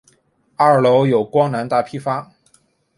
二楼有光南大批发。